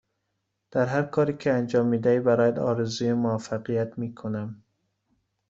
در هرکاری که انجام می دهی برایت موفقیت آرزو می کنم.